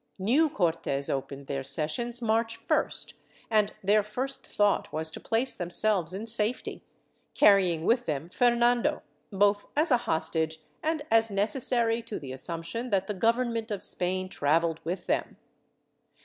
^ New Cortes opened their sessions March 1st and their first thought was to place themselves in safety, carrying with them Fernando, both as a hostage and as necessary to the assumption that the government of Spain travel led with them.